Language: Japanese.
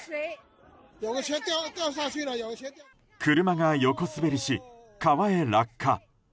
車が横滑りし、川へ落下。